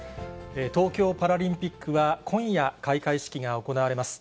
東京パラリンピックは今夜、開会式が行われます。